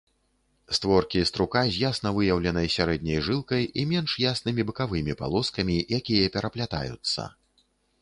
Створкі струка з ясна выяўленай сярэдняй жылкай і менш яснымі бакавымі палоскамі, якія пераплятаюцца.